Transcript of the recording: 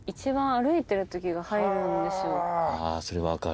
それ分かる。